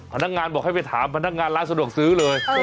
พนักงานบอกให้ไปถามพนักงานร้านสะดวกซื้อเลย